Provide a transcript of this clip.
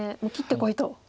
「もう切ってこい」と。